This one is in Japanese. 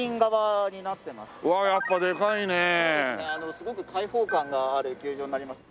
すごく開放感がある球場になります。